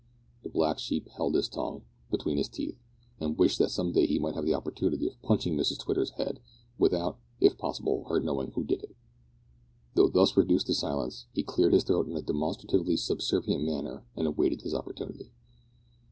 The black sheep held his tongue between his teeth, and wished that some day he might have the opportunity of punching Mrs Twitter's head, without, if possible, her knowing who did it. Though thus reduced to silence, he cleared his throat in a demonstratively subservient manner and awaited his opportunity.